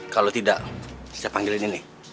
kalau tidak saya panggilin ini